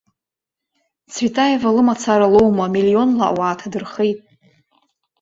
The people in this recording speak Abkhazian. Цветаева лымацара лоума, миллионла ауаа ҭадырхеит!